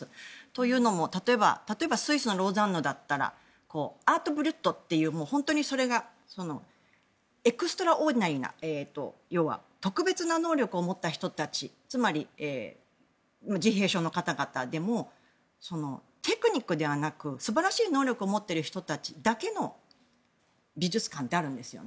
というのも、例えばスイスのローザンヌだったらアール・ブリュットというそれがエクストラオーディナリーな特別な能力を持った人たち自閉症の方々でもテクニックではなく素晴らしい能力を持っている人だけの美術館ってあるんです。